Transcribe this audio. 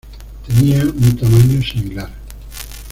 Tenía un tamaño similar.